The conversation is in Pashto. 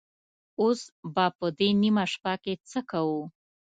اوس به په دې نيمه شپه کې څه کوو؟